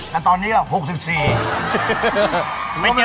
แต่ตอนนี้เอ้อ๖๔